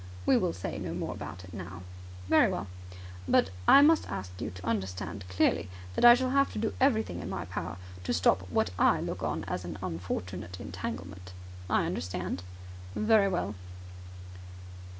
"We will say no more about it now." "Very well." "But I must ask you to understand clearly that I shall have to do everything in my power to stop what I look on as an unfortunate entanglement." "I understand," "Very well."